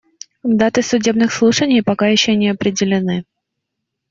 Даты судебных слушаний пока еще не определены.